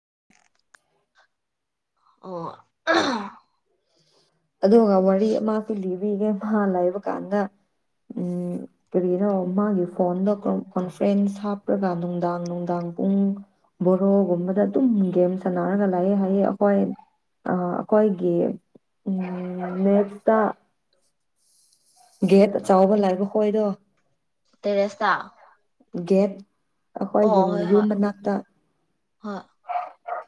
ꯑꯣ ꯑꯗꯨꯒ ꯋꯥꯔꯤ ꯑꯃꯁꯨ ꯂꯤꯕꯤꯒꯦ ꯃꯥ ꯂꯩꯕ ꯀꯥꯟꯗ ꯎꯝ ꯀꯔꯤꯅꯣ ꯃꯥꯒꯤ ꯐꯣꯟꯗꯣ ꯀꯣꯟ ꯀꯣꯟꯐ꯭ꯔꯦꯟꯁ ꯍꯥꯞꯄ꯭ꯔꯒ ꯅꯨꯡꯗꯥꯡ ꯅꯨꯡꯗꯥꯡ ꯄꯨꯡ ꯕꯣꯔꯣꯒꯨꯝꯕꯗ ꯑꯗꯨꯝ ꯒꯦꯝ ꯁꯥꯟꯅꯔꯒ ꯂꯥꯏꯑꯦ ꯍꯥꯏꯌꯦ ꯑꯈꯣꯏ ꯑꯥ ꯑꯈꯣꯏꯒꯤ ꯃꯦꯠꯁꯇ ꯒꯦꯠ ꯑꯆꯧꯕ ꯂꯩꯕ ꯈꯣꯏꯗꯣ ꯇꯦꯔꯦꯁꯇꯥ ꯒꯦꯠ ꯑꯈꯣꯏꯒꯤ ꯍꯣꯏ ꯌꯨꯝ ꯃꯅꯥꯛꯇ ꯍꯣꯏ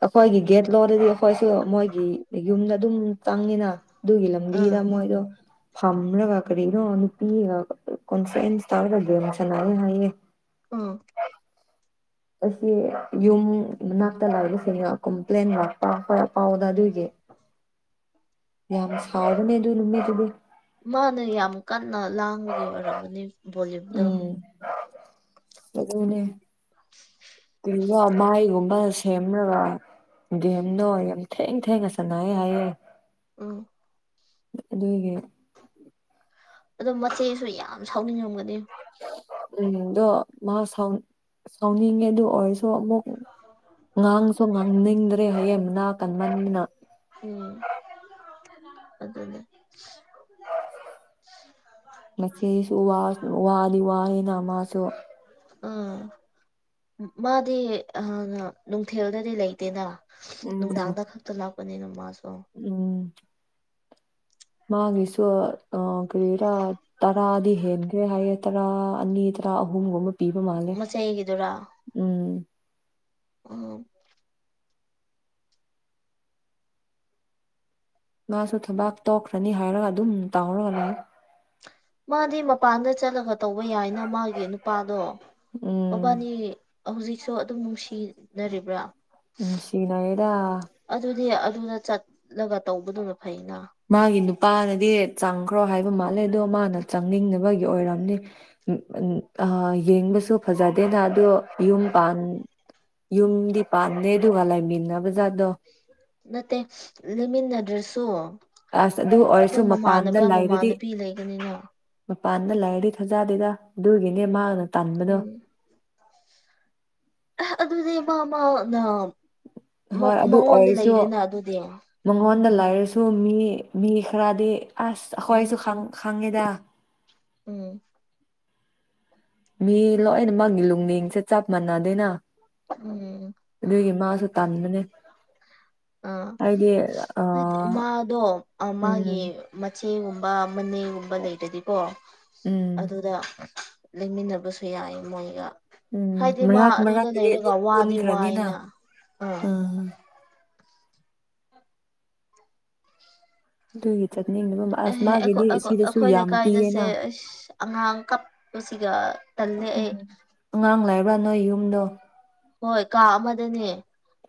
ꯑꯈꯣꯏꯒꯤ ꯒꯦꯠ ꯂꯣꯜꯂꯤ ꯑꯈꯣꯏꯁꯨ ꯃꯣꯏꯒꯤ ꯌꯨꯝꯗ ꯑꯗꯨꯝ ꯆꯪꯉꯤꯅꯥ ꯑꯗꯨꯒꯤ ꯂꯝꯕꯤꯗ ꯎꯝ ꯃꯣꯏꯗꯣ ꯐꯝꯔꯒ ꯀꯔꯤꯅꯣ ꯅꯨꯄꯤꯒ ꯀꯣꯟꯐ꯭ꯔꯦꯟꯁ ꯇꯥꯔꯒ ꯒꯦꯝ ꯁꯥꯅꯩꯑꯦ ꯍꯥꯏꯌꯦ ꯑꯥ ꯑꯁꯤ ꯌꯨꯝ ꯃꯅꯥꯛꯇ ꯂꯥꯛꯏꯕꯁꯤꯡꯅ ꯀꯣꯝꯄ꯭ꯂꯦꯟ ꯂꯥꯛꯄ ꯑꯈꯣꯏ ꯄꯥꯎꯗ ꯑꯗꯨꯒꯤ ꯌꯥꯝ ꯁꯥꯎꯕꯅꯦ ꯑꯗꯨ ꯅꯨꯃꯤꯠꯇꯨꯗꯤ ꯃꯥꯅ ꯌꯥꯝ ꯀꯟꯅ ꯂꯥꯡꯕꯒꯤ ꯑꯣꯏꯔꯝꯒꯅꯤ ꯕꯣꯂꯤꯌꯨꯝꯗꯣ ꯎꯝ ꯑꯗꯨꯅꯦ [inaudible] ꯀ꯭ꯔꯤꯔꯥ ꯃꯥꯏꯒꯨꯝꯕ ꯁꯦꯝꯔꯒ ꯒꯦꯝ ꯗꯣ ꯌꯥꯝ ꯊꯦꯡ ꯊꯦꯡꯅ ꯁꯥꯅꯩꯌꯦ ꯍꯥꯏꯌꯦ ꯎꯝ ꯑꯗꯨꯒꯤ ꯑꯗꯣ ꯃꯆꯦꯁꯨ ꯌꯥꯝ ꯁꯥꯎꯅꯤꯡꯉꯝꯒꯅꯤ ꯎꯝ ꯑꯗꯣ ꯃꯥ ꯁꯥꯎ ꯁꯥꯎꯅꯤꯡꯉꯦ ꯑꯗꯨ ꯑꯣꯏꯔꯁꯨ ꯁꯨ ꯑꯃꯨꯛ ꯉꯥꯡꯁꯨ ꯉꯥꯡꯅꯤꯡꯗ꯭ꯔꯦ ꯍꯥꯏꯌꯦ ꯃꯅꯥ ꯀꯟꯕꯅꯤꯅ ꯎꯝ ꯑꯗꯨꯅꯦ ꯃꯆꯦꯁꯦ ꯋꯥ ꯋꯥꯗꯤ ꯋꯥꯏꯌꯦꯅ ꯃꯥꯁꯨ ꯑꯥ ꯃꯥꯗꯤ ꯑꯥ ꯅꯨꯡꯊꯤꯜꯗꯗꯤ ꯂꯩꯇꯦꯅ ꯎꯝ ꯅꯨꯡꯗꯥꯥꯡꯗ ꯈꯛꯇ ꯂꯥꯛꯄꯅꯤꯅ ꯃꯥꯁꯨ ꯎꯝ ꯃꯥꯒꯤꯁꯨ ꯑꯥ ꯀꯔꯤꯔꯥ ꯇꯔꯥꯗꯤ ꯍꯦꯟꯒ꯭ꯔꯦ ꯍꯥꯏꯌꯦ ꯇꯔꯥ ꯑꯅꯤꯗ ꯇꯥ ꯑꯍꯨꯝꯒꯨꯝꯕ ꯄꯤꯕ ꯃꯥꯜꯂꯦ ꯎꯝ ꯑꯥ ꯃꯥꯁꯨ ꯊꯕꯥꯛ ꯇꯣꯛꯈ꯭ꯔꯅꯤ ꯍꯥꯏꯔꯒ ꯑꯗꯨꯝ ꯇꯧꯔꯒ ꯂꯩꯌꯦ ꯃꯥꯗꯤ ꯃꯄꯥꯟꯗ ꯆꯠꯂꯒ ꯇꯧꯕ ꯌꯥꯏꯅ ꯃꯥꯒꯤ ꯅꯨꯄꯥꯗꯣ ꯎꯝ ꯃꯕꯥꯅꯤ ꯍꯧꯖꯤꯛꯁꯨ ꯑꯗꯨꯝ ꯅꯨꯡꯁꯤꯅꯔꯤꯕ꯭ꯔꯥ ꯅꯨꯡꯁꯤꯅꯩꯑꯦꯗꯥ ꯑꯗꯨꯅ ꯆꯠꯂꯒ ꯇꯧꯕꯗꯨꯅ ꯐꯩꯅ ꯄꯥꯅꯗꯤ ꯆꯪꯈ꯭ꯔꯣ ꯍꯥꯏꯕ ꯃꯥꯜꯂꯦ ꯑꯗꯣ ꯃꯥꯅ ꯆꯪꯅꯤꯡꯅꯕꯒꯤ ꯑꯣꯏꯔꯝꯅꯤ ꯎꯝ ꯑꯥ ꯌꯦꯡꯕꯁꯨ ꯐꯖꯗꯦꯅ ꯑꯗꯣ ꯌꯨꯝ ꯄꯥꯟ ꯌꯨꯝꯗꯤ ꯄꯥꯟꯗꯦ ꯑꯗꯨꯒ ꯂꯥꯏꯃꯤꯟꯅꯕꯖꯥꯗꯣ ꯅꯠꯇꯦ ꯂꯩꯃꯤꯟꯗ꯭ꯔꯁꯨ ꯑꯁ ꯑꯗꯨ ꯑꯣꯏꯔꯁꯨ ꯃꯄꯥꯟꯗ ꯂꯥꯏꯔꯗꯤ ꯃꯃꯥꯟꯅꯕꯤ ꯂꯩꯒꯅꯤꯅ ꯄꯥꯟꯗ ꯂꯥꯏꯔꯗꯤ ꯊꯥꯖꯗꯦꯗꯥ ꯑꯗꯨꯒꯤꯅꯦ ꯃꯥꯅ ꯇꯥꯟꯕꯗꯣ ꯎꯝ ꯑꯗꯨꯗꯤ ꯃꯥ ꯃꯥꯅ ꯃꯥ ꯍꯣꯏ ꯑꯗꯨ ꯃꯉꯣꯟꯗ ꯑꯣꯏꯔꯁꯨ ꯂꯩꯔꯦꯅꯥ ꯑꯗꯨꯗꯤ ꯁꯨꯝ ꯃꯤ ꯃꯤ ꯈꯔꯗꯤ ꯑꯁ ꯑꯈꯣꯏꯁꯨ ꯈꯪ ꯈꯪꯉꯦꯗꯥ ꯎꯝ ꯃꯤ ꯂꯣꯏꯅ ꯃꯛꯒꯤ ꯂꯨꯡꯂꯦꯡꯁꯦ ꯆꯞ ꯃꯥꯟꯅꯗꯦꯅꯥ ꯎꯝ ꯎꯝ ꯑꯗꯨꯒꯤ ꯃꯥꯁꯨ ꯇꯥꯟꯕꯅꯦ ꯑꯥ ꯃꯥꯗꯣ ꯃꯥꯒꯤ ꯎꯝ ꯃꯆꯦ ꯃꯆꯦꯒꯨꯝꯕ ꯃꯅꯦꯒꯨꯝꯕ ꯂꯩꯔꯗꯤꯀꯣ ꯎꯝ ꯑꯗꯨꯗ ꯂꯩꯃꯤꯟꯅꯕꯁꯨ ꯌꯥꯏ ꯃꯣꯏꯒ ꯎꯝ ꯍꯥꯏꯗꯤ ꯃꯥ ꯃꯔꯛ ꯃꯔꯛ ꯑꯗꯨꯗ ꯀꯤꯗꯤ ꯂꯩꯔꯒ ꯑꯗꯨꯝ ꯋꯥꯗꯤ ꯄꯨꯟꯈ꯭ꯔꯅꯤꯅ ꯋꯥꯏꯅ ꯑꯥ ꯎꯝ ꯗꯨꯏ ꯑꯦꯍ ꯑꯩ ꯑꯈꯣꯏꯅ ꯌꯥꯝ ꯀꯥꯏꯗꯁꯦ ꯄꯤꯌꯦꯅ ꯑꯁ ꯑꯉꯥꯡ ꯀꯞꯄꯁꯤꯒ ꯇꯜꯂꯦ ꯑꯩ ꯎꯝ ꯑꯉꯥꯡ ꯂꯥꯏꯔꯕ꯭ꯔꯥ ꯅꯣꯏ ꯌꯨꯝꯗꯣ ꯍꯣꯏ ꯀꯥ ꯑꯃꯗꯅꯦ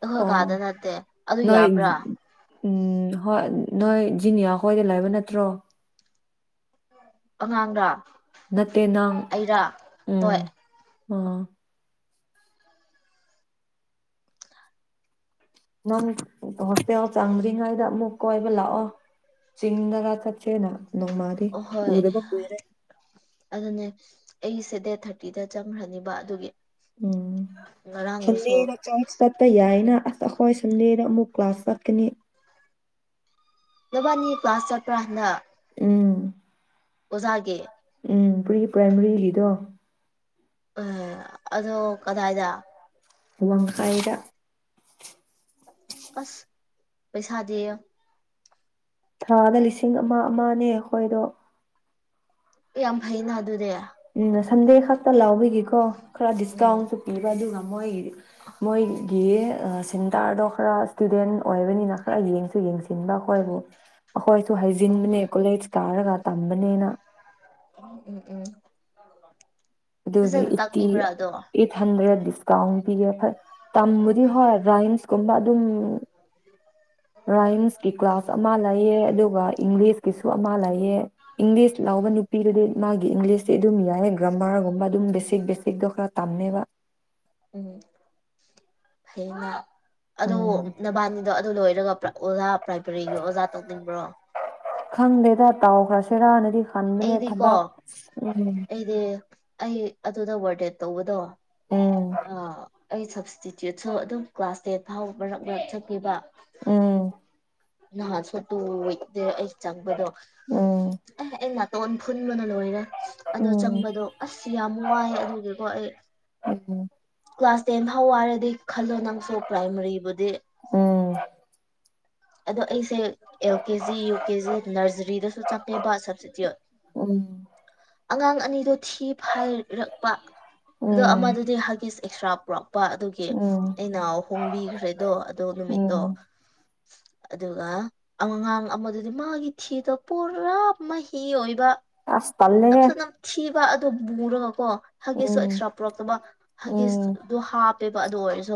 ꯑꯈꯣꯏ ꯑꯣ ꯀꯥꯗ ꯅꯠꯇꯦ ꯑꯗꯨ ꯅꯣꯏ ꯌꯥꯕ꯭ꯔꯥ ꯎꯝ ꯍꯣꯏ ꯅꯣꯏ ꯖꯤꯅꯤꯌꯥ ꯈꯣꯏꯗ ꯂꯥꯏꯕ ꯅꯠꯇ꯭ꯔꯣ ꯑꯉꯥꯡꯔꯥ ꯅꯠꯇꯦ ꯅꯪ ꯑꯩꯔꯥ ꯎꯝ ꯍꯣꯏ ꯑꯥ ꯅꯪ ꯍꯣꯁꯇꯦꯜ ꯆꯪꯗ꯭ꯔꯤꯉꯩꯗ ꯑꯃꯨꯛ ꯀꯣꯏꯕ ꯂꯥꯛꯑꯣ ꯆꯤꯡꯗꯒꯥ ꯆꯠꯆꯦꯅ ꯍꯣꯏ ꯑꯗꯨꯅꯦ ꯑꯩꯁꯦ ꯑꯦꯠ ꯊꯥꯔꯇꯤꯗ ꯆꯡꯈ꯭ꯔꯅꯤꯕ ꯑꯗꯨꯒꯤ ꯎꯝ ꯉꯔꯥꯡꯗꯨꯁꯨ ꯁꯟꯗꯦꯗ ꯆꯔꯁ ꯆꯠꯄ ꯌꯥꯏꯅ ꯑꯁ ꯑꯩꯈꯣꯏ ꯁꯟꯗꯦꯗ ꯑꯃꯨꯛ ꯀ꯭ꯂꯥꯁ ꯆꯠꯀꯅꯤ ꯅꯕꯥꯅꯤ ꯀ꯭ꯂꯥꯁ ꯆꯠꯄ꯭ꯔꯥ ꯍꯟꯗꯛ ꯎꯝ ꯑꯣꯖꯥꯒꯤ ꯎꯝ ꯄ꯭ꯔꯤ ꯄ꯭ꯔꯥꯏꯃꯔꯤꯒꯤꯗꯣ ꯑ ꯑꯗꯣ ꯀꯗꯥꯏꯗ ꯂꯝꯈꯥꯢꯗ ꯑꯁ ꯄꯩꯁꯥꯗꯤ ꯊꯥꯗ ꯂꯤꯁꯤꯡ ꯑꯃ ꯑꯃꯅꯦ ꯑꯩꯈꯣꯏꯗꯣ ꯌꯥꯝ ꯐꯩꯅ ꯑꯗꯨꯗꯤ ꯎꯝ ꯁꯟꯗꯦ ꯈꯛꯇ ꯂꯧꯕꯒꯤꯀꯣ ꯈꯔ ꯎꯝ ꯗꯤꯁꯀꯥꯎꯟꯁꯨ ꯄꯤꯕ ꯑꯗꯨꯅ ꯃꯣꯏꯒꯤ ꯃꯣꯏꯒꯤ ꯑ ꯁꯦꯟꯇꯔꯗꯣ ꯈꯔ ꯏꯁꯇꯨꯗꯦꯟ ꯑꯣꯏꯕꯅꯤꯅ ꯈꯔ ꯌꯦꯡꯁꯨ ꯌꯦꯡꯁꯤꯟꯕ ꯑꯩꯈꯣꯏꯕꯨ ꯑꯩꯈꯣꯏꯁꯨ ꯍꯩꯖꯤꯟꯕꯅꯦ ꯑꯣ ꯀꯣꯂꯦꯖ ꯀꯔꯒ ꯇꯝꯕꯅꯦꯅ ꯎꯝ ꯎꯝ ꯑꯗꯨꯒꯤ ꯐꯖꯅ ꯑꯩꯠꯇꯤ ꯇꯥꯛꯄꯤꯕ꯭ꯔꯥ ꯑꯗꯣ ꯑꯩꯠꯍꯟꯗ꯭ꯦꯔꯠ ꯗꯤꯁꯀꯥꯎꯟ ꯄꯤꯒꯦꯐꯠ ꯇꯝꯕꯨꯗꯤ ꯍꯣꯏ ꯔꯥꯏꯝꯁꯀꯨꯝꯕ ꯑꯗꯨꯝ ꯔꯥꯏꯝꯁꯀꯤ ꯀ꯭ꯂꯥꯁ [unintelligible] ꯃꯥ ꯂꯥꯢꯌꯦ ꯏꯪꯂꯤꯁ ꯂꯥꯎꯕ ꯅꯨꯄꯤꯗꯨꯗꯤ ꯃꯥꯒꯤ ꯏꯪꯂꯤꯁꯇꯤ ꯑꯗꯨꯝ ꯌꯥꯏꯌꯦ ꯒ꯭ꯔꯥꯝꯃꯥꯔꯒꯨꯝ ꯑꯗꯨꯝ ꯕꯦꯁꯛ ꯕꯦꯁꯛꯗꯣ ꯈꯔ ꯇꯝꯃꯦꯕ ꯐꯩꯅꯦ ꯎꯝ ꯑꯗꯨ ꯂꯣꯏꯔꯒ ꯑꯣꯖꯥ ꯄ꯭ꯔꯥꯏꯕꯔꯤꯒꯤ ꯑꯣꯖꯥ ꯇꯧꯅꯤꯡꯕ꯭ꯔꯣ ꯇꯥꯎꯈ꯭ꯔꯁꯤꯔꯥꯅꯗꯤ ꯈꯟꯕꯅꯦ ꯑꯩꯗꯤꯀꯣ ꯊꯕꯥꯛ ꯎꯝ ꯑꯩꯗꯤ ꯑꯩ ꯑꯗꯨꯗ ꯋꯔꯗꯦꯠ ꯇꯧꯕꯗꯣ ꯎꯝ ꯑꯥ ꯑꯩ ꯁꯕꯁꯇꯤꯇ꯭ꯌꯨꯠꯁꯨ ꯑꯗꯨꯝ ꯀ꯭ꯂꯥꯁ ꯇꯦꯟ ꯐꯥꯎꯕ ꯃꯔꯛ ꯃꯔꯛꯆꯠꯄꯤꯕ ꯎꯝ ꯅꯍꯥꯟꯁꯨ ꯇꯨꯋꯦꯛꯅꯦ ꯑꯩ ꯆꯪꯕꯗꯣ ꯎꯝ ꯑꯦ ꯑꯩ ꯅꯥꯇꯣꯟ ꯐꯨꯟꯕꯅ ꯂꯣꯏꯔꯦ ꯑꯗꯣ ꯎꯝ ꯆꯪꯕꯗꯣ ꯑꯁ ꯌꯥꯝ ꯋꯥꯏꯑꯦ ꯑꯗꯨꯒꯤꯀꯣ ꯑꯩ ꯎꯝ ꯀ꯭ꯂꯥꯁ ꯇꯦꯟ ꯐꯥꯎ ꯋꯥꯔꯗꯤ ꯈꯜꯂꯣ ꯅꯪꯁꯨ ꯄ꯭ꯔꯥꯏꯃꯔꯤꯕꯨꯗꯤ ꯎꯝ ꯑꯗꯣ ꯑꯩꯁꯦ L K G U K G ꯅꯔꯖꯔꯤꯗꯁꯨ ꯆꯥꯡꯉꯦꯕ ꯁꯞꯁꯇꯤꯇꯤꯌꯨꯠ ꯑꯉꯥꯡ ꯑꯅꯤꯗꯣ ꯊꯤ ꯐꯥꯏꯔꯛꯄ ꯑꯗꯣ ꯎꯝ ꯑꯃꯗꯨꯗꯤ ꯍꯥꯒꯤꯁ ꯑꯦꯛꯁꯇ꯭ꯔꯥ ꯄ꯭ꯔꯣꯛ ꯅꯨꯄꯥ ꯑꯗꯨꯒꯤ ꯎꯝ ꯎꯝ ꯑꯩꯅ ꯍꯣꯡꯕꯤꯈ꯭ꯔꯦꯗꯣ ꯑꯗꯣ ꯅꯨꯃꯤꯠꯇꯣ ꯎꯝ ꯑꯗꯨꯒ ꯑꯉꯥꯡ ꯑꯃꯗꯨꯗꯤ ꯃꯥꯒꯤ ꯊꯤꯗꯣ ꯄꯨꯔꯥ ꯃꯍꯤ ꯑꯣꯏꯕ ꯑꯁ ꯇꯜꯂꯦꯍꯦ ꯅꯞꯁꯨ ꯅꯞꯝꯊꯤꯕ ꯑꯗꯨ ꯄꯨꯔꯒ ꯀꯣ ꯍꯪꯒꯤꯁꯁꯨ ꯎꯝ ꯑꯦꯛꯁꯇ꯭ꯔꯥ ꯄꯨꯔꯛꯇꯕ ꯎꯝ ꯍꯪꯒꯤꯁꯇꯣ ꯍꯥꯞꯄꯦꯕ ꯑꯗꯨ ꯑꯣꯏꯔꯁꯨ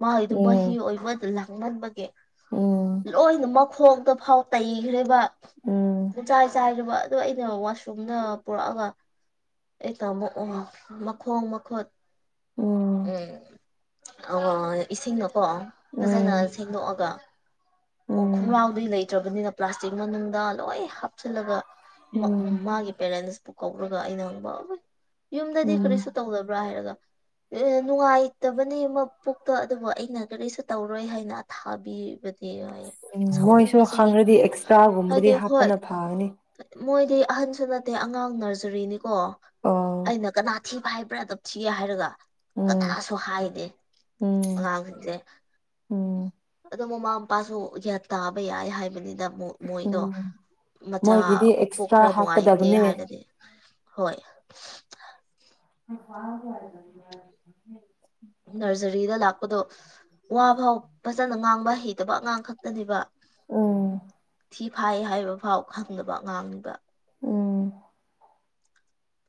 ꯃꯥꯒꯤꯗꯨ ꯃꯍꯤ ꯎꯝ ꯑꯣꯏꯕꯗꯨꯅ ꯍꯪꯃꯟꯕꯒꯤ ꯎꯝ ꯂꯣꯏꯅ ꯃꯈꯣꯡꯗꯣ ꯐꯥꯎ ꯇꯩꯈ꯭ꯔꯦꯕ ꯎꯝ ꯎꯝ ꯄꯨꯡꯆꯥꯏ ꯆꯥꯏꯔꯕ ꯑꯗꯣ ꯑꯩꯅ ꯋꯥꯁꯔꯨꯝꯗ ꯄꯨꯔꯛꯑꯒ ꯑꯩꯅ ꯑꯃꯨꯛ ꯃꯈꯣꯡ ꯃꯈꯨꯠ ꯎꯝ ꯎꯝ ꯑꯣ ꯏꯁꯤꯡ ꯑꯣ ꯐꯖꯅ ꯁꯦꯡꯗꯣꯛꯑꯒ ꯎꯝ ꯑꯣ ꯎꯝ ꯈꯣꯡ꯭ꯔꯥꯎꯗꯤ ꯂꯩꯇ꯭ꯔꯕꯅꯤꯅ ꯄ꯭ꯂꯥꯁꯇꯤꯛ ꯃꯅꯨꯡꯗ ꯂꯣꯏ ꯍꯥꯞꯆꯤꯜꯂꯒ ꯃꯥ ꯎꯝ ꯃꯥꯒꯤ ꯄꯦꯔꯦꯟꯁ ꯄꯨ ꯀꯧꯔꯒ ꯑꯩꯅ ꯕꯣꯏ ꯌꯨꯝꯗꯗꯤ ꯎꯝ ꯀꯔꯤꯁꯨ ꯇꯧꯗꯕ꯭ꯔꯥ ꯍꯥꯏꯔꯒ ꯅꯨꯡꯉꯥꯏꯇꯕꯅꯦ ꯑꯃ ꯄꯣꯛꯇꯥ ꯑꯗꯨꯕꯨ ꯑꯩꯅ ꯀꯔꯤꯁꯨ ꯇꯧꯔꯣꯏ ꯍꯥꯏꯅ ꯊꯥꯕꯤꯕꯅꯤ ꯑꯦ ꯌꯥꯏ ꯃꯣꯏꯁꯨ ꯁꯥꯎꯅꯤꯡꯕꯁꯤꯗꯤ ꯈꯪꯔꯗꯤ ꯑꯦꯛꯁꯇ꯭ꯔꯥꯒꯨꯝꯕꯗꯤ ꯍꯥꯏꯗꯤ ꯍꯣꯏ ꯍꯥꯞꯄꯅ ꯐꯒꯅꯤ ꯃꯣꯏꯗꯤ ꯑꯍꯟꯁꯨ ꯅꯠꯇꯦ ꯑꯉꯥꯡ ꯅꯔꯖꯔꯤꯅꯤꯀꯣ ꯑꯣ ꯑꯩꯅ ꯀꯅꯥ ꯊꯤꯕ ꯍꯥꯏꯕ꯭ꯔꯥ ꯅꯝꯊꯤ ꯍꯥꯏꯔꯒ ꯎꯝ ꯀꯗꯥꯁꯨ ꯍꯥꯏꯗꯦ ꯎꯝ ꯑꯉꯥꯡꯁꯤꯡꯁꯦ ꯎꯝ ꯑꯗꯣ ꯃꯃꯥ ꯃꯄꯥꯁꯨ ꯒ꯭ꯌꯥꯟ ꯇꯥꯕ ꯌꯥꯏ ꯍꯥꯏꯕꯅꯤꯅ ꯃꯨꯛ ꯃꯣꯏꯗꯣ ꯎꯝ ꯃꯆꯥ ꯃꯣꯏꯒꯤꯗꯤ ꯄꯨꯛ ꯑꯦꯛꯁꯇ꯭ꯔꯥ ꯈꯔ ꯅꯨꯡꯉꯥꯏꯇꯦ ꯍꯥꯞꯀꯗꯕꯅꯦ ꯍꯥꯏꯔꯗꯤ ꯍꯣꯏ [inaudible] ꯅ꯭ꯔꯖꯔꯤꯗ ꯂꯥꯛꯄꯗꯣ ꯋꯥ ꯐꯥꯎ ꯐꯖꯅ ꯉꯥꯡꯕ ꯍꯩꯇꯕ ꯑꯉꯥꯡ ꯈꯛꯇꯅꯦꯕꯤ ꯎꯝ ꯐꯥꯏ ꯍꯥꯏꯕ ꯐꯥꯎ ꯈꯪꯗꯕ ꯑꯉꯥꯡꯅꯤꯗ ꯎꯝ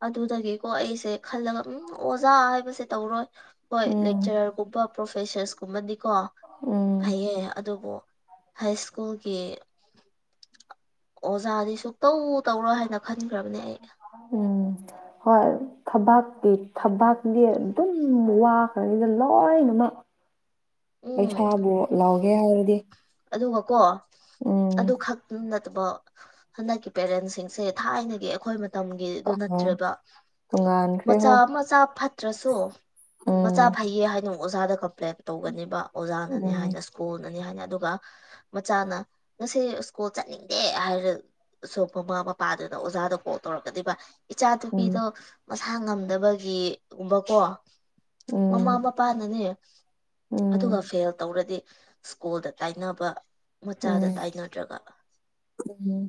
ꯑꯗꯨꯗꯒꯤꯀꯣ ꯑꯩꯁꯦ ꯈꯜꯂꯒ ꯎꯝ ꯑꯣꯖꯥ ꯍꯥꯏꯕꯁꯦ ꯇꯧꯔꯣꯏ ꯍꯣꯏ ꯎꯝ ꯂꯦꯛꯆꯔꯔꯒꯨꯝꯕ ꯄ꯭ꯔꯣꯐꯦꯁꯔꯁꯀꯨꯝꯕꯗꯤ ꯀꯣ ꯎꯝ ꯐꯩꯌꯦ ꯑꯗꯨꯕꯨ ꯍꯥꯏꯁ꯭ꯀꯨꯜꯒꯤ ꯑꯣꯖꯥꯗꯤ ꯁꯨꯛꯇꯧ ꯇꯧꯔꯣꯏ ꯍꯥꯏꯅ ꯈꯟꯈ꯭ꯔꯕꯅꯦ ꯑꯩ ꯎꯝ ꯍꯣꯏ ꯊꯕꯥꯛꯀꯤ ꯊꯕꯥꯛꯗꯤ ꯑꯗꯨꯝ ꯋꯥꯈ꯭ꯔꯦꯗ ꯂꯣꯏꯅꯃꯛ [inaudible] ꯎꯝ ꯄꯩꯁꯥꯕꯨ ꯂꯧꯥꯎꯒꯦ ꯍꯥꯏꯔꯗꯤ ꯑꯗꯨꯒ ꯀꯣ ꯎꯝ ꯑꯗꯨ ꯈꯛ ꯅꯠꯇꯕ ꯍꯟꯗꯛꯀꯤ ꯄꯦꯔꯦꯟꯁꯤꯡꯁꯦ ꯊꯥꯏꯅꯒꯤ ꯑꯩꯈꯣꯏ ꯃꯇꯝꯒꯤ ꯗꯨ ꯑꯣ ꯅꯠꯇ꯭ꯔꯦꯕ ꯇꯣꯉꯥꯟꯈ꯭ꯔꯦ ꯃꯆꯥ ꯍꯣꯏ ꯃꯆꯥ ꯐꯠꯇ꯭ꯔꯁꯨ ꯎꯝ ꯃꯆꯥ ꯐꯩꯌꯦ ꯍꯥꯏꯅ ꯑꯣꯖꯥꯗ ꯀꯝꯄ꯭ꯂꯦꯟ ꯇꯧꯒꯅꯦꯕ ꯑꯣꯖꯥꯅꯅꯦ ꯎꯝ ꯍꯥꯏꯅ ꯁ꯭ꯀꯨꯜ ꯅꯤ ꯍꯥꯏꯅ ꯑꯗꯨꯒ ꯃꯆꯥꯅ ꯉꯁꯤ ꯁ꯭ꯀꯨꯜ ꯆꯠꯅꯤꯡꯗꯦ ꯍꯥꯏꯔ ꯁꯨ ꯃꯃꯥ ꯃꯄꯥꯗꯨꯅ ꯑꯣꯖꯥꯗ ꯀꯣꯜ ꯇꯧꯔꯛꯀꯅꯦꯕ ꯏꯆꯥ ꯎꯝ ꯅꯨꯨꯄꯤꯗꯣ ꯃꯁꯥ ꯉꯝꯗꯕꯒꯤꯒꯨꯝꯕꯀꯣ ꯎꯝ ꯃꯃꯥ ꯃꯄꯥꯅꯅꯦ ꯎꯝ ꯑꯗꯨꯒ ꯐꯦꯜ ꯇꯧꯔꯗꯤ ꯁ꯭ꯀꯨꯜꯗ ꯇꯥꯏꯅꯕ ꯃꯆꯥꯗ ꯎꯝ ꯇꯥꯏꯅꯗ꯭ꯔꯒ ꯎꯝ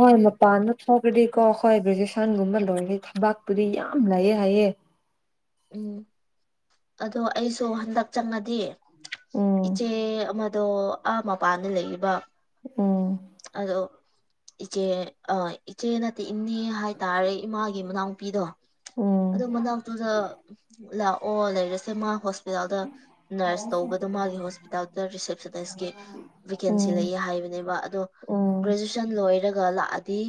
ꯍꯣꯏ ꯃꯄꯥꯟꯗ ꯊꯣꯛꯈꯗꯤꯀꯣ ꯑꯈꯣꯏ ꯒ꯭ꯔꯦꯖꯨꯑꯦꯁꯟꯒꯨꯝꯕ ꯂꯣꯏꯔꯗꯤ ꯊꯕꯥꯛꯄꯨꯗꯤ ꯌꯥꯝ ꯂꯩꯑꯦ ꯍꯥꯏꯌꯦ ꯎꯝ ꯑꯗꯣ ꯑꯩꯁꯨ ꯍꯟꯗꯛ ꯆꯪꯉꯗꯤ ꯎꯝ ꯏꯆꯦ ꯑꯃꯗꯣ ꯑꯥ ꯃꯄꯥꯟꯗ ꯂꯩꯌꯦꯕ ꯎꯝ ꯑꯗꯣ ꯏꯆꯦ ꯑ ꯥꯏꯆꯦ ꯏꯅꯦ ꯍꯥꯏꯇꯥꯔꯦ ꯏꯃꯥꯒꯤ ꯃꯅꯥꯎꯅꯨꯄꯤꯗꯣ ꯎꯝ ꯑꯗꯨ ꯃꯅꯥꯛꯇꯨꯗ ꯂꯥꯛꯑꯣ ꯂꯩꯔꯁꯦ ꯃꯥ ꯍꯣꯁꯇꯦꯜꯗ ꯅꯔꯁ ꯇꯧꯕꯗꯣ ꯃꯥꯒꯤ ꯍꯣꯁꯄꯤꯇꯥꯜꯗ ꯔꯤꯁꯦꯞꯁꯟꯅꯤꯁꯀꯤ ꯚꯦꯀꯦꯟꯁꯤ ꯎꯝ ꯂꯩꯌꯦ ꯍꯥꯏꯕꯅꯦꯕ ꯑꯗꯣ ꯎꯝ ꯒ꯭ꯔꯦꯖꯨꯑꯦꯁꯟ ꯂꯣꯏꯔꯒ ꯂꯥꯛꯑꯗꯤ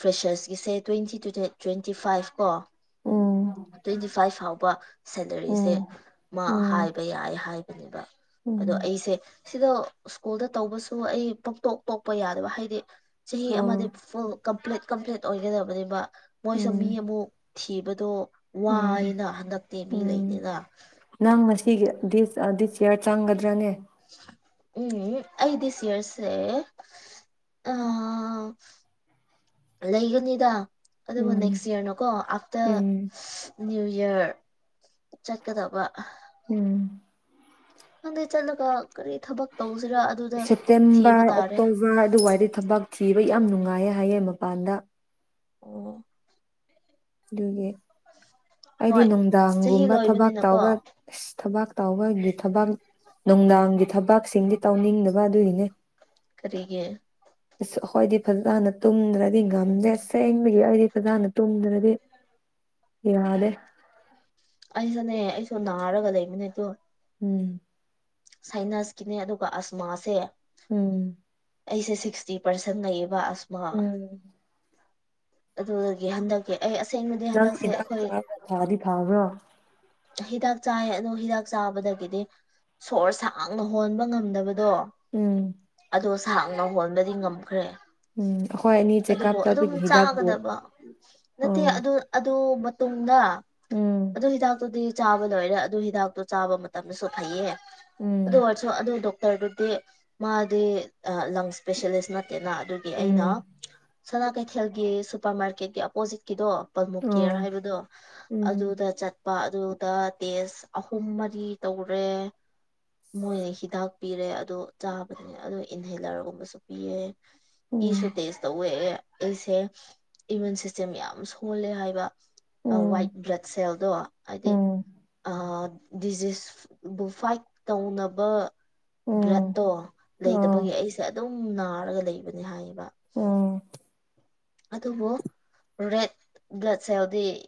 ꯐ꯭ꯔꯦꯁꯔꯁꯀꯤꯁꯦ ꯇ꯭ꯋꯦꯟꯇꯤ ꯇꯨ ꯗ ꯇ꯭ꯋꯦꯟꯇꯤ ꯐꯥꯏꯐ ꯀꯣ ꯎꯝ ꯇ꯭ꯋꯦꯟꯇꯤ ꯐꯥꯏꯚ ꯐꯥꯎꯕ ꯁꯦꯂꯔꯤꯁꯦ ꯎꯝ ꯃꯥ ꯎꯝ ꯍꯥꯏꯕ ꯌꯥꯏ ꯍꯥꯏꯕꯅꯦꯕ ꯑꯗꯣ ꯎꯝ ꯑꯩꯁꯦ ꯁꯤꯗꯣ ꯁ꯭ꯀꯨꯜꯗ ꯇꯧꯕꯁꯨ ꯑꯩ ꯄꯛꯇꯣꯛ ꯇꯣꯛꯄ ꯌꯥꯗꯕ ꯍꯥꯏꯗꯤ ꯆꯍꯤ ꯑꯃꯗꯤ ꯑꯣ ꯐꯨꯜ ꯀꯝꯄ꯭ꯂꯤꯠ ꯀꯝꯄ꯭ꯂꯤꯠ ꯑꯣꯏꯒꯗꯕꯅꯦꯕꯥ ꯃꯣꯏꯁꯨ ꯃꯤ ꯎꯝ ꯑꯃꯨꯛ ꯊꯤꯕꯗꯣ ꯎꯝ ꯋꯥꯏꯅ ꯍꯟꯗꯛꯇꯤ ꯃꯤ ꯂꯩꯇꯦꯅ ꯎꯝ ꯅꯪ ꯉꯁꯤꯒꯤ ꯗꯤꯁ ꯑꯥ ꯗꯤꯁ ꯌꯥꯔ ꯆꯪꯒꯗ꯭ꯔꯥꯅꯦ ꯎꯝ ꯑꯩ ꯗꯤꯁ ꯌꯔꯁꯦ ꯑꯥ ꯂꯩꯒꯅꯤꯗꯥ ꯑꯗꯨꯕꯨ ꯎꯝ ꯅꯦꯛꯁ ꯌ꯭ꯔꯅꯀꯣ ꯑꯐꯇꯔ ꯎꯝ ꯅꯤꯌꯨ ꯌꯔ ꯆꯠꯀꯗꯕ ꯎꯝ ꯈꯪꯗꯦ ꯆꯠꯂꯒ ꯀꯔꯤ ꯊꯕꯛ ꯇꯧꯁꯤꯔ ꯁꯦꯞꯇꯦꯝꯕꯔ ꯑꯣꯛꯇꯣꯕꯔ ꯑꯗꯨꯋꯥꯏꯗꯤ ꯊꯕꯛ ꯊꯤꯕ ꯌꯥꯝ ꯅꯨꯡꯉꯥꯏꯌꯦ ꯍꯥꯏꯌꯦ ꯃꯄꯥꯟꯗ ꯑꯣ ꯑꯗꯨꯒꯤ ꯑꯩꯗꯤ ꯍꯣꯏ ꯆꯍꯤ ꯅꯨꯡꯗꯥꯡꯒꯨꯝꯕ ꯊꯕꯥꯛ ꯂꯣꯏꯕꯅꯤꯅꯀꯣ ꯇꯥꯎꯕ ꯊꯕꯥꯛ ꯇꯥꯎꯕꯒꯤ ꯊꯕꯥꯛ ꯅꯨꯡꯗꯥꯡꯒꯤ ꯊꯕꯥꯛꯁꯤꯡꯗꯤ ꯇꯧꯅꯤꯡꯗꯕ ꯑꯗꯨꯒꯤꯅꯦ ꯀꯔꯤꯒꯤ ꯑꯁ ꯑꯈꯣꯏꯗꯤ ꯐꯖꯅ ꯇꯨꯝꯗ꯭ꯔꯗꯤ ꯉꯝꯗꯦ ꯑꯁꯦꯡꯕꯒꯤ ꯑꯩꯗꯤ ꯐꯖꯅ ꯇꯨꯝꯗ꯭ꯔꯗꯤ ꯌꯥꯗꯦ ꯑꯩꯁꯨꯅꯦ ꯑꯩꯁꯨ ꯅꯥꯔꯒ ꯂꯩꯕꯅꯦ ꯑꯗꯣ ꯎꯝ ꯁꯥꯏꯅꯁꯀꯤꯅꯦ ꯑꯗꯨꯒ ꯑꯁꯃꯥꯁꯦ ꯎꯝ ꯑꯩꯁꯦ ꯁꯤꯛꯁꯇꯤ ꯄꯥꯔꯁꯦꯟ ꯂꯩꯩꯌꯦꯕ ꯑꯁꯃꯥ ꯎꯝ ꯑꯗꯨꯗꯒꯤ ꯍꯟꯗꯛꯀꯤ ꯑꯩ ꯑꯁ ꯅꯪ ꯍꯤꯗꯥꯛ ꯆꯥꯕ꯭ꯔ ꯊꯥꯗꯤ ꯐꯥꯕ꯭ꯔꯣ ꯍꯤꯗꯥꯛ ꯆꯥꯏ ꯑꯗꯣ ꯍꯤꯗꯥꯛ ꯆꯥꯕꯗꯒꯤꯗꯤ ꯁꯣꯔ ꯁꯥꯡꯅ ꯍꯣꯟꯕ ꯉꯝꯗꯕ ꯗꯣ ꯎꯝ ꯑꯗꯣ ꯁꯥꯡꯅ ꯍꯣꯟꯕꯗꯤ ꯉꯝꯈ꯭ꯔꯦ ꯎꯝ ꯑꯩꯈꯣꯏ ꯑꯅꯤ ꯆꯦꯛꯀꯞ ꯑꯗꯨꯕꯨ ꯑꯗꯨꯝ ꯆꯠꯄꯒꯤ ꯍꯤꯗꯥꯛꯄꯨ ꯆꯥꯒꯗꯕ ꯅꯠꯇꯦ ꯑꯣ ꯑꯗꯨ ꯑꯗꯨ ꯇꯨꯡꯗꯥ ꯎꯝ ꯑꯗꯨ ꯍꯤꯗꯥꯛꯇꯨꯗꯤ ꯆꯥꯕ ꯂꯣꯏꯔꯦ ꯑꯗꯨ ꯍꯤꯗꯥꯛꯇꯨ ꯆꯥꯕ ꯃꯇꯝꯗꯁꯨ ꯐꯩꯌꯦ ꯎꯝ ꯑꯗꯨ ꯑꯣꯏꯔꯁꯨ ꯑꯗꯨ ꯗꯣꯛꯇꯔꯗꯨꯗꯤ ꯃꯥꯗꯤ ꯑꯥ ꯂꯪꯁ ꯏꯁ꯭ꯄꯦꯁꯦꯂꯤꯁ ꯅꯠ ꯇꯦꯅꯥ ꯑꯗꯨꯒꯤ ꯑꯩꯅꯥ ꯎꯝ ꯁꯅꯥ ꯀꯩꯊꯦꯜꯒꯤ ꯁꯨꯄꯔ ꯃꯥꯔꯀꯦꯠꯀꯤ ꯑꯄꯣꯖꯤꯠꯀꯤꯗꯣ ꯑꯣ ꯄꯜꯃꯨꯀꯦꯌꯔ ꯍꯥꯏꯕꯗꯣ ꯎꯝ ꯑꯗꯨꯗ ꯆꯠ ꯄ ꯑꯗꯨꯗ ꯇꯦꯁ ꯑꯍꯨꯝ ꯃꯔꯤ ꯇꯧꯔꯦ ꯃꯣꯏꯅ ꯍꯤꯗꯥꯛ ꯄꯤꯔꯦ ꯑꯗꯣ ꯆꯥꯕꯅꯤ ꯑꯗꯣ ꯏꯟꯍꯦꯂꯔꯒꯨꯝꯕꯁꯨ ꯄꯤꯌꯦ ꯎꯝ ꯏꯁꯨ ꯇꯦꯁ ꯇꯧꯋꯦ ꯑꯩꯁꯦ ꯏꯃ꯭ꯌꯨꯟ ꯁꯤꯁꯇꯦꯝ ꯌꯥꯝ ꯁꯣꯜꯂꯦ ꯍꯥꯏꯕ ꯑ ꯎꯝ ꯋꯥꯏꯠ ꯕ꯭ꯂꯗ ꯁꯦꯜꯗꯣ ꯍꯥꯏꯗꯤ ꯎꯝ ꯑꯥ ꯗꯤꯖꯤꯁꯕꯨ ꯐꯥꯏꯠ ꯇꯧꯅꯕ ꯎꯝ ꯕ꯭ꯂꯠꯇꯣ ꯂꯩ ꯇꯕꯒꯤ ꯑꯣ ꯑꯩꯁꯦ ꯑꯗꯨꯝ ꯅꯥꯔꯒ ꯂꯩꯕꯅꯦ ꯍꯥꯏꯌꯦꯕꯥ ꯎꯝ ꯑꯗꯨꯕꯨ ꯔꯦꯠ ꯕ꯭ꯂꯗ ꯁꯦꯜꯗꯤ